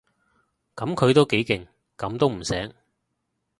噉佢都幾勁，噉都唔醒